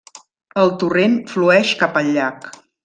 El torrent flueix cap al llac.